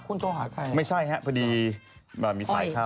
คุณโทรหาใครครับไม่ใช่ครับพอดีมีไซค์เข้า